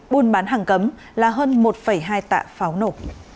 buôn bán hàng cấm là hơn một hai tạ pháo nổ